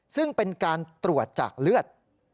ซึ่งเป็นการตรวจจากเลือด